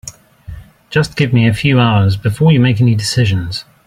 Just give me a few hours before you make any decisions.